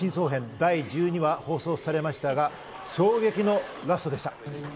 編』、第１２話が放送されましたが衝撃のラストでした。